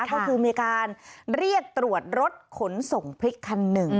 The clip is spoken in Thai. ก็คือมีการเรียกตรวจรถขนส่งพริกคันหนึ่ง